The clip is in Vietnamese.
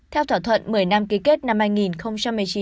theo thỏa thuận một mươi năm ký kết năm hai nghìn một mươi chín